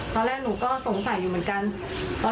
ตอนแรกหนูก็สงสัยอยู่เหมือนกัน